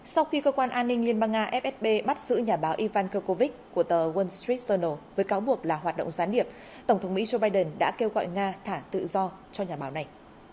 sau khi cơ quan an ninh liên bang nga fsb bắt giữ nhà báo ivancovich của tờ wall streetsternal với cáo buộc là hoạt động gián điệp tổng thống mỹ joe biden đã kêu gọi nga thả tự do cho nhà báo này